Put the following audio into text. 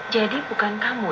jadi bukan kamu